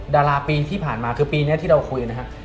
ดาราปีที่ผ่านมาคือปีนี้ที่เราคุยนะครับ